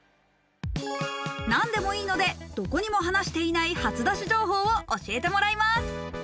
何でもいいので、どこにも話していない初出し情報を教えてもらいます。